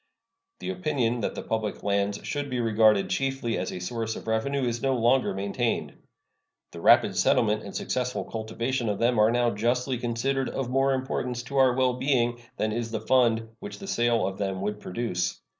The opinion that the public lands should be regarded chiefly as a source of revenue is no longer maintained. The rapid settlement and successful cultivation of them are now justly considered of more importance to our well being than is the fund which the sale of them would produce.